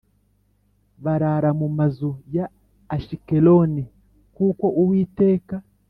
Barara mu mazu ya ashikeloni kuko uwiteka